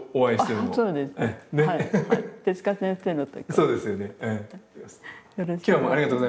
そうですよね。